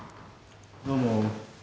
どうも。